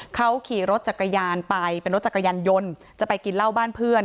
เขาขี่รถจักรยานไปเป็นรถจักรยานยนต์จะไปกินเหล้าบ้านเพื่อน